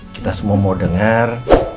kita semua mau dengar